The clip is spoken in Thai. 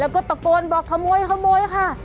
แล้วก็ตะโกนบอกขโมยขโมยค่ะ